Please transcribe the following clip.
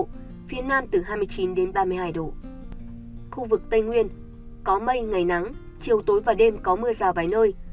khu vực tây nguyên có mây ngày nắng chiều tối và đêm có mưa rào vài nơi